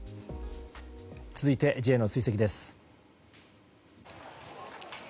続いてＪの追跡です。